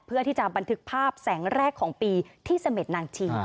เพื่อที่จะบันทึกภาพแสงแรกของปีที่เสม็ดนางชิง